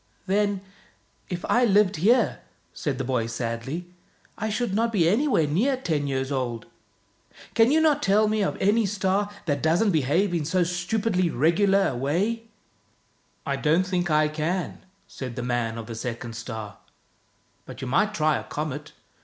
" Then if I lived here," said the boy sadly, " I should not be anywhere near ten years old. Can you not tell me of any star that doesn't behave in so stupidly regular a way? " 7i THE BOY WHO WENT OUT OF THE WORLD " I don't think I can," said the man of the second star. " But you might try a comet.